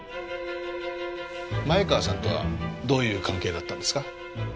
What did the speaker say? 前川さんとはどういう関係だったんですか？